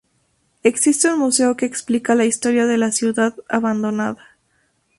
Existe un museo que explica la historia de la ciudad abandonada.